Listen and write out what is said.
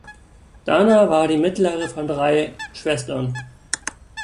Dana war die mittlere von drei Schwestern.